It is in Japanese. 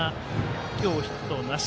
今日ヒットなし。